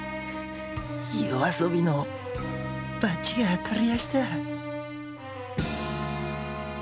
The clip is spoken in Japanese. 夜遊びの罰が当たりやした。